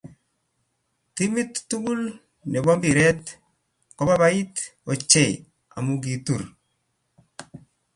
Timit tugul nebo mbiret kobaibait ochey amu kitur .